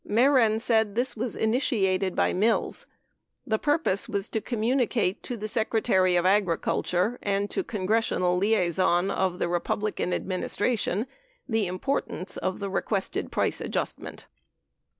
Mehren said this was initiated by Mills. The purpose was to communicate to the Secretary of Agriculture and to congressional liaison of the Repub lican administration the importance of the requested price adjustment.